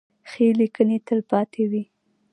ښې لیکنې تلپاتې وي.